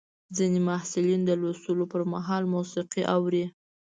ځینې محصلین د لوستلو پر مهال موسیقي اوري.